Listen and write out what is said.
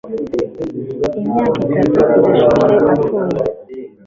imyaka itatu irashize apfuye